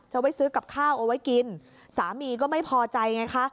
ไว้ซื้อกับข้าวเอาไว้กินสามีก็ไม่พอใจไงคะ